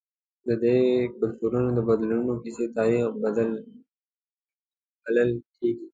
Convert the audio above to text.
د دې کلتورونو د بدلونونو کیسه تاریخ بلل کېږي.